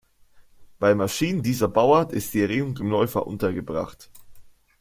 Bei Maschinen dieser Bauart ist die Erregung im Läufer untergebracht.